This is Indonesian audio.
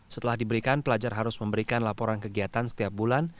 setelah diberikan pelajar harus memberikan laporan kegiatan setiap bulan